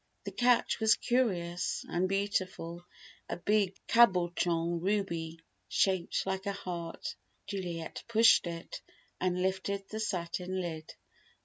The catch was curious and beautiful: a big cabochon ruby shaped like a heart. Juliet pushed it, and lifted the satin lid.